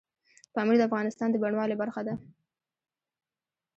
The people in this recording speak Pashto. پامیر د افغانستان د بڼوالۍ برخه ده.